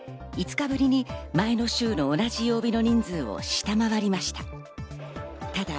５日ぶりに前の週の同じ曜日の人数を下回りました。